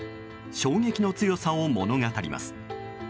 衝撃の強さを物語ります。